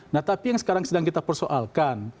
nah tapi yang sekarang sedang kita persoalkan